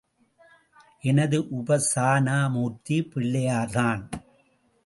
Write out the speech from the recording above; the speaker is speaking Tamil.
எனது உபாசனா மூர்த்தி பிள்ளையார்தான்.